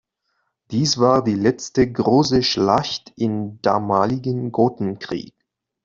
Dies war die letzte große Schlacht im damaligen Gotenkrieg.